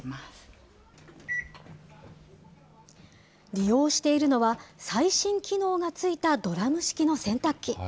利用しているのは、最新機能がついたドラム式の洗濯機。